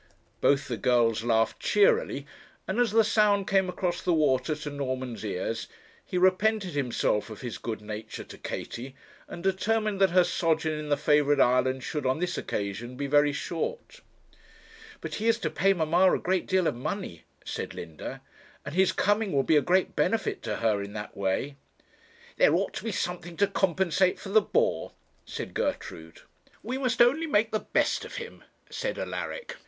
Both the girls laughed cheerily; and as the sound came across the water to Norman's ears, he repented himself of his good nature to Katie, and determined that her sojourn in the favourite island should, on this occasion, be very short. 'But he is to pay mamma a great deal of money,' said Linda, 'and his coming will be a great benefit to her in that way.' 'There ought to be something to compensate for the bore,' said Gertrude. 'We must only make the best of him,' said Alaric.